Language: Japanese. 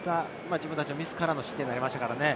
自分たちのミスからの失点になりました。